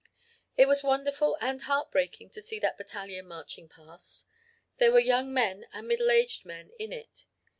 "It was wonderful and heartbreaking to see that battalion marching past. There were young men and middle aged men in it.